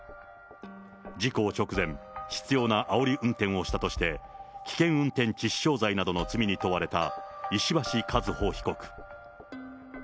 事故直前、執ようなあおり運転をしたとして、危険運転致死傷罪などの罪に問われた石橋和歩被告。